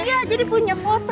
iya jadi punya foto